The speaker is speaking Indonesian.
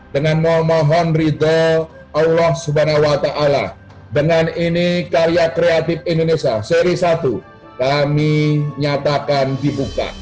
dengan memohon ridho allah swt dengan ini karya kreatif indonesia seri satu kami nyatakan dibuka